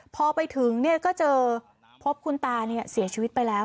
พอไปถึงก็เจอพบคุณตาเสียชีวิตไปแล้ว